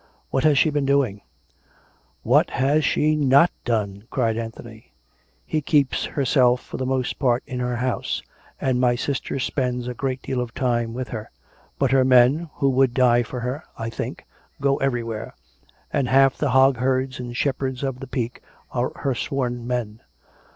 What has she been doing ?"" What has she not done ?" cried Anthony. " She keeps herself for the most part in her house; and my sister spends a great deal of time with her; but her men, who would die for her, I think, go everywhere; and half the hog herds and shepherds of the Peak are her sworn men.